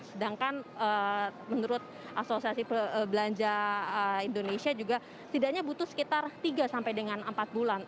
sedangkan menurut asosiasi belanja indonesia juga setidaknya butuh sekitar tiga sampai dengan empat bulan